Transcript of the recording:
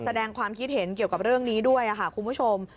แสดงความคิดเห็นเกี่ยวกับเรื่องนี้ด้วยค่ะคุณผู้ชม